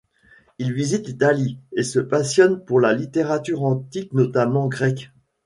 Il visite l’Italie et se passionne pour la littérature antique, notamment grecque.